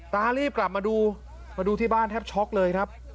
ตารีบกลับมาดูมาดูที่บ้านแทบช็อกเลยครับ